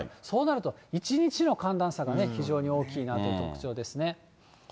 そうなると、一日の寒暖差が非常に大きいなというのが特徴ですね。